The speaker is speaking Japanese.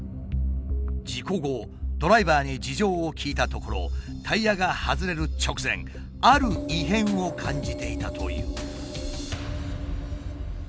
事故後ドライバーに事情を聞いたところタイヤが外れる直前ある異変を感じていたという。